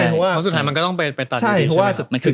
เพราะสุดท้ายมันก็ต้องไปตัดวิดีโอใช่ไม